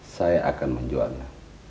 saya akan menjualnya